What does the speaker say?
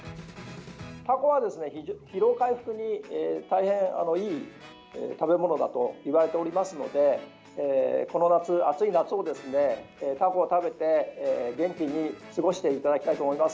タコは疲労回復に大変いい食べ物だといわれていますのでこの夏、暑い夏をタコを食べて、元気に過ごしていただきたいと思います。